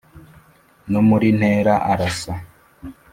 no muri ntera arasa.